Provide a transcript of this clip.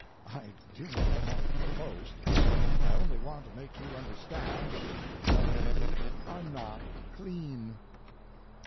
I do not want to boast. I only want to make you understand that you are not clean.